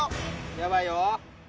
やばいよ。